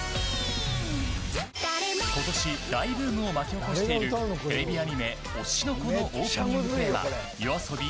今年大ブームを巻き起こしているテレビアニメ「推しの子」のオープニングテーマＹＯＡＳＯＢＩ